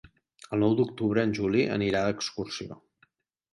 El nou d'octubre en Juli anirà d'excursió.